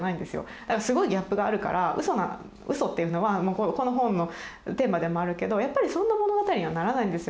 だからすごいギャップがあるから嘘な「嘘」っていうのはもうこの本のテーマでもあるけどやっぱりそんな物語にはならないんですよ